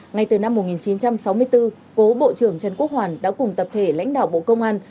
ngay từ năm một nghìn chín trăm sáu mươi bốn cố bộ trưởng trần quốc hoàn đã cùng tập thể lãnh đạo bộ công an